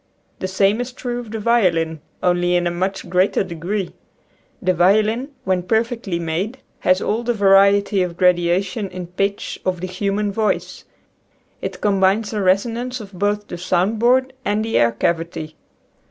The same is true of the violin, only in a much greater degree. The violin, when perfectly made, has all the variety of gradation in pitch of the human voice. It combines the resonance of both the sound board and the air cavity.